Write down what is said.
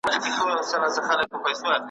چي انسان خداى له ازله پيدا كړى .